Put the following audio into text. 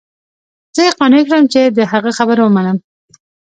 زه يې قانع کړم چې د هغه خبره ومنم.